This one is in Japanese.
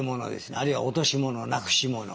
あるいは落とし物なくし物。